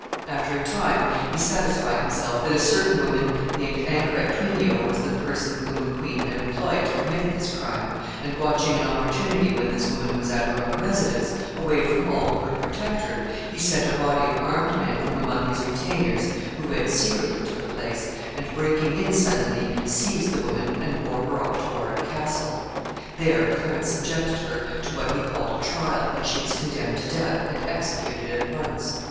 After a time he satisfied himself that a certain woman named Ankaret Twynhyo was the person whom the queen had employed to commit this crime, and watching an opportunity when this woman was at her own residence, away from all who could protect her, he sent a body of armed men from among his retainers, who went secretly to the place, and, breaking in suddenly, seized the woman and bore her off to Warwick Castle. There Clarence subjected her to what he called a trial, and she was condemned to death, and executed at once.